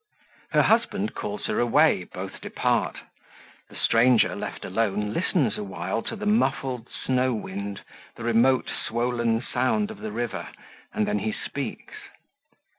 Her husband calls her away, both depart. The stranger, left alone, listens awhile to the muffled snow wind, the remote, swollen sound of the river, and then he speaks.